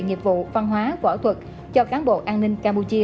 nghiệp vụ văn hóa võ thuật cho cán bộ an ninh campuchia